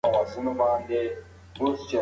هغه په خپله پښتو باندې ډېره ویاړېده.